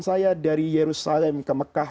saya dari yerusalem ke mekah